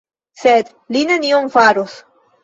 Sed li nenion faros.